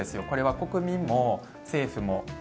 これは国民も政府も。